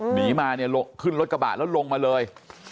หนีมาเนี่ยขึ้นรถกระบะแล้วลงมาเลย